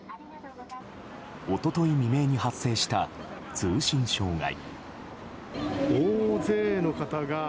一昨日未明に発生した通信障害。